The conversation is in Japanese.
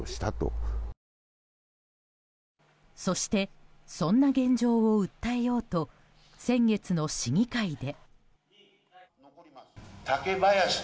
そしてそんな現状を訴えようと先月の市議会で。